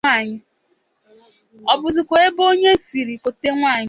Ọ bụzịkwa ebe onye siri kote nwaanyị